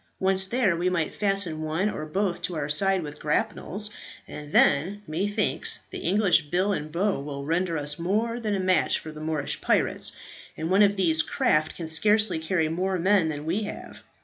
Once there, we might fasten one or both to our side with grapnels, and then, methinks, that English bill and bow will render us more than a match for Moorish pirates, and one of these craft can scarcely carry more men than we have.